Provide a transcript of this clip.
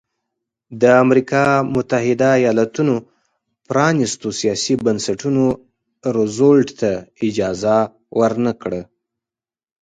د امریکا متحده ایالتونو پرانیستو سیاسي بنسټونو روزولټ ته اجازه ورنه کړه.